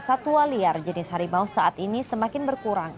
satwa liar jenis harimau saat ini semakin berkurang